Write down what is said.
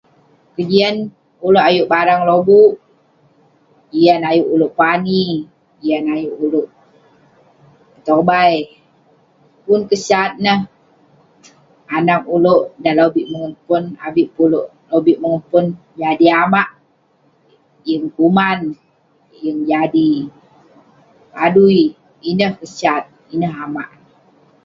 Kejian ulouk ayuk barang lobuk, yah neh ayuk ulouk pani, yah neh ayuk ulouk petobai. Pun kesat neh, anag ulouk dan lobik mongen pon, avik peh ulouk lobik mongen pon ; jadi amak, yeng kuman, yeng jadi adui. Ineh kesat, ineh amak.